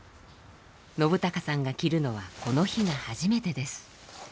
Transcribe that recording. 信朗さんが着るのはこの日が初めてです。